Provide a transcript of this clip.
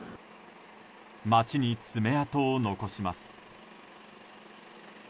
街に爪痕を残します。